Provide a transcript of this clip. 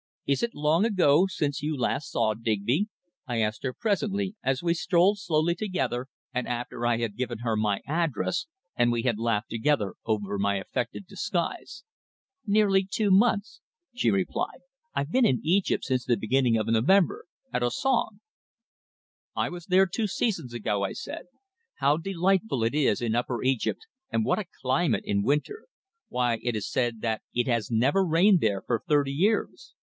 "Is it long ago since you last saw Digby?" I asked her presently, as we strolled slowly together, and after I had given her my address, and we had laughed together over my effective disguise. "Nearly two months," she replied. "I've been in Egypt since the beginning of November at Assuan." "I was there two seasons ago," I said. "How delightful it is in Upper Egypt and what a climate in winter! Why, it is said that it has never rained there for thirty years!"